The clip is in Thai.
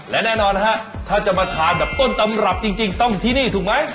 และแน่นอนฮะถ้าจะมาทานแบบต้นตำรับจริงต้องที่นี่ถูกไหม